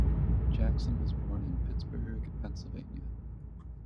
Jackson was born in Pittsburgh, Pennsylvania.